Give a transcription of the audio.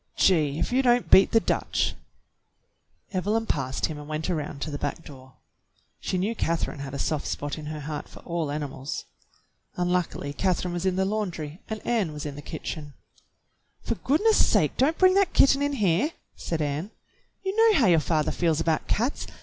"Gee! If you don't beat the Dutch !" Evelyn passed him and went around to the back door. She knew Catherine had a soft spot in her heart for all animals. Unluckily Catherine was in the laun dry and Ann was in the kitchen. "For goodness sake, don't bring that kitten in here!" said Ann. "You know how your father feels about cats.